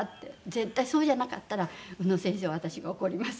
絶対そうじゃなかったら宇野先生を私が怒ります。